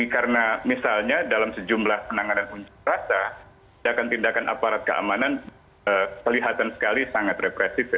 karena misalnya dalam sejumlah penanganan yuk rasa tindakan tindakan aparat keamanan kelihatan sekali sangat represif ya